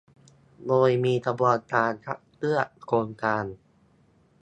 โดยมีกระบวนการคัดเลือกโครงการ